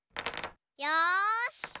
よし！